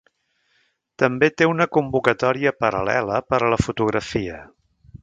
També té una convocatòria paral·lela per a la fotografia.